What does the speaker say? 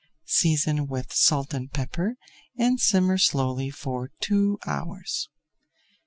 Season with salt and pepper and simmer slowly for two hours.